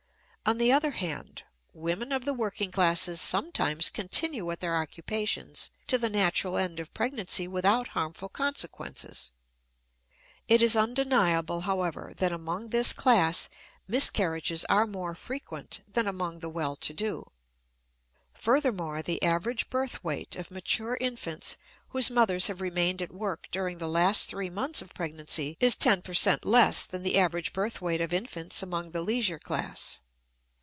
On the other hand, women of the working classes sometimes continue at their occupations to the natural end of pregnancy without harmful consequences. It is undeniable, however, that among this class miscarriages are more frequent than among the well to do. Furthermore, the average birth weight of mature infants whose mothers have remained at work during the last three months of pregnancy is ten per cent. less than the average birth weight of infants among the leisure class.